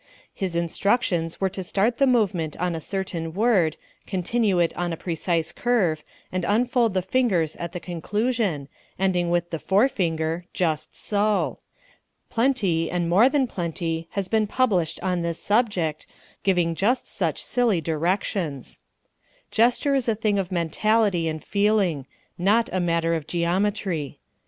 His instructions were to start the movement on a certain word, continue it on a precise curve, and unfold the fingers at the conclusion, ending with the forefinger just so. Plenty, and more than plenty, has been published on this subject, giving just such silly directions. Gesture is a thing of mentality and feeling not a matter of geometry.